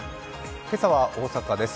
今朝は大阪です。